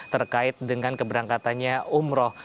terkait dengan keberangkatannya umroh